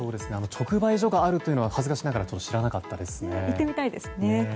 直売所があるというのは恥ずかしながら行ってみたいですね。